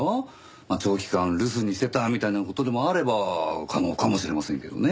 まあ長期間留守にしてたみたいな事でもあれば可能かもしれませんけどね。